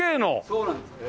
そうなんですね。